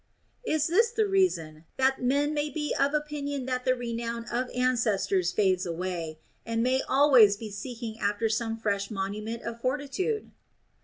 Is this the reason, that men may be of opinion that the renown of ancestors fades away, and may always be seeking after some fresh monument of fortitude?